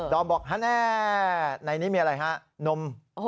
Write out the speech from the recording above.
อมบอกฮะแน่ในนี้มีอะไรฮะนม